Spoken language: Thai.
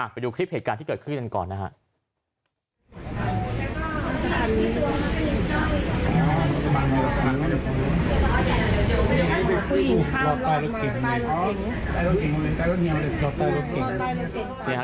ไปดูคลิปเหตุการณ์ที่เกิดขึ้นกันก่อนนะครับ